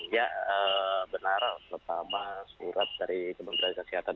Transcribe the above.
ya benar pertama surat dari kementerian kesehatan